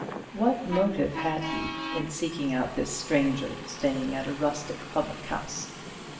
What motive had he in seeking out this stranger staying at a rustic public house?